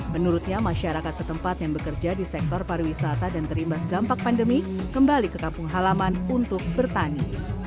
menurutnya masyarakat setempat yang bekerja di sektor pariwisata dan terimbas dampak pandemi kembali ke kampung halaman untuk bertani